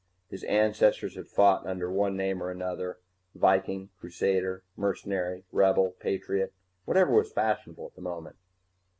His ancestors had fought under one name or another viking, Crusader, mercenary, rebel, patriot, whatever was fashionable at the moment.